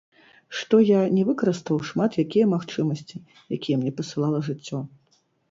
Што я не выкарыстаў шмат якія магчымасці, якія мне пасылала жыццё.